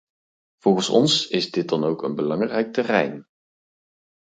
Volgens ons is dit dan ook een belangrijk terrein.